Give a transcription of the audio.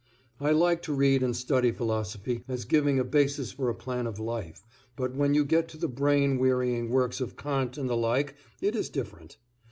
I like to read and study philosophy as giving a basis for a plan of life, but when you get to the brain wearying works of Kant and the like it is different.